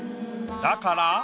だから。